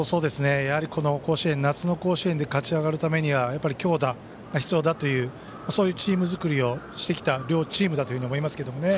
やはり夏の甲子園で勝ち上がるためには強打が必要だというそういうチーム作りをしてきた両チームだと思いますけれどもね。